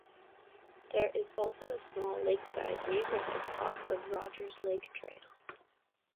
There is also a small lakeside neighborhood off of Rogers Lake Trail.